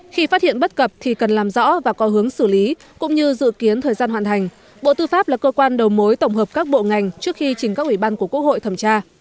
khi phát hiện bất cập thì cần làm rõ và có hướng xử lý cũng như dự kiến thời gian hoàn thành bộ tư pháp là cơ quan đầu mối tổng hợp các bộ ngành trước khi trình các ủy ban của quốc hội thẩm tra